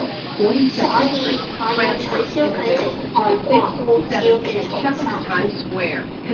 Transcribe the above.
所以我要取消佢哋外國護照嘅重發權